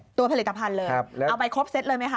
ผลิตภัณฑ์เลยเอาไปครบเซตเลยไหมค